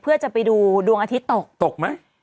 เพื่อจะไปดูดวงอาทิตย์ตกตกไหม